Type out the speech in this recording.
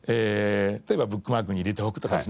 例えばブックマークに入れておくとかですね